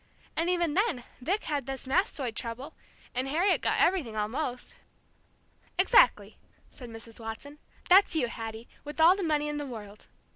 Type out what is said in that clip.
And even then Vic had this mastoid trouble, and Harriet got everything, almost." "Exactly," said Mrs. Watson. "That's you, Hattie, with all the money in the world.